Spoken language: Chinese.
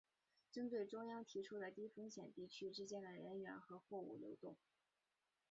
针对中央提出的低风险地区之间的人员和货物流动